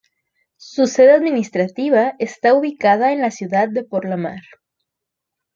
Su sede administrativa está ubicada en la ciudad de Porlamar.